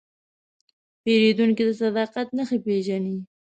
پیرودونکی د صداقت نښې پېژني.